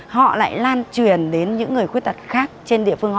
họ lại lan truyền đến những người khuyết tật khác trên địa phương họ